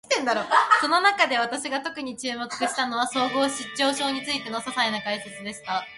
その中で、私が特に注目したのは、統合失調症についての詳細な解説でした。